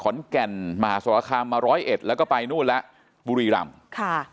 ขอนแก่นมหาสรคามมาร้อยเอ็ดแล้วก็ไปนู่นแล้วบุรีรำค่ะ